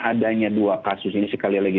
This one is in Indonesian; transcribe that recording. adanya dua kasus ini sekali lagi